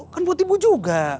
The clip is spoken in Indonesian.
kan buat ibu juga